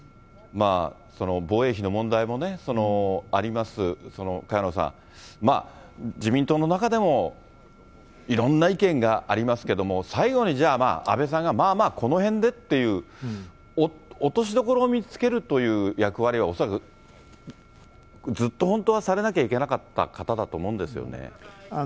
防衛費の問題もね、あります、萱野さん、自民党の中でもいろんな意見がありますけれども、最後にじゃあまあ、安倍さんがまあまあこのへんでっていう、落としどころを見つけるという役割は恐らく、ずっと本当はされなきゃいけなかった方だと思うんですよね。